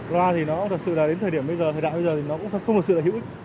loa thì nó thật sự là đến thời điểm bây giờ thời đại bây giờ thì nó cũng không được sự là hữu ích